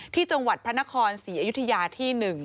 ที่จังหวัดพระนครศรีอยุธยาที่๑